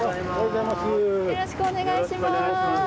よろしくお願いします！